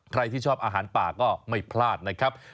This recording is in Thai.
ใครที่ชอบอาหารป่าก็ไม่พลาดนะครับ